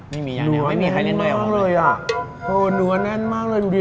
ไม่มียาแนวไม่มีใครแน่นมากเลยอ่ะเนื้อแน่นมากเลยดูดิ